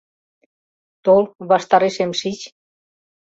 — Тол, ваштарешем шич.